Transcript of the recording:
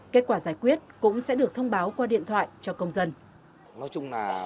kết quả giải quyết cũng sẽ được thông báo qua điện thoại cho công dân